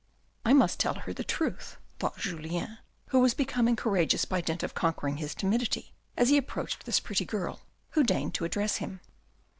" I must tell her the truth," thought Julien, who was becoming courageous by dint of conquering his timidity as he approached this pretty girl, who deigned to address him.